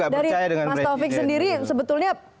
mas taufik sendiri sebetulnya